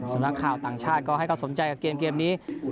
นักข่าวต่างชาติก็ให้เขาสนใจกับเกมนี้